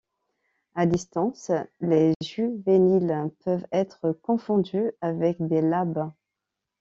A distance, les juvéniles peuvent être confondus avec des labbes.